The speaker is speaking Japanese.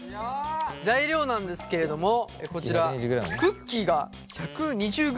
材料なんですけれどもこちらクッキーが１２０ｇ。